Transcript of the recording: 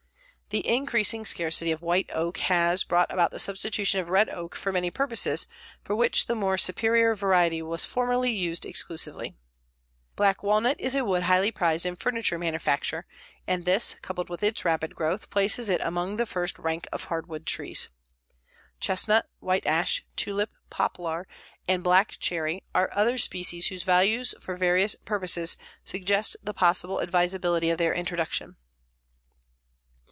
The increasing scarcity of white oak has brought about the substitution of red oak for many purposes for which the more superior variety was formerly used exclusively. Black walnut is a wood highly prized in furniture manufacture, and this, coupled with its rapid growth, places it among the first rank of hardwood trees. Chestnut, white ash, tulip, poplar and black cherry are other species whose value for various purposes suggests the possible advisability of their introduction.